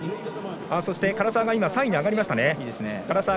そして唐澤が３位に上がりました。